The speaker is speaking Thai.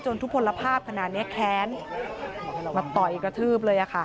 ทุกผลภาพขนาดนี้แค้นมาต่อยกระทืบเลยค่ะ